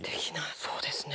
そうですね。